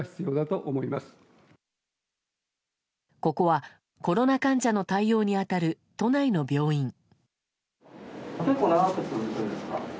ここはコロナ患者の対応に当たる都内の病院。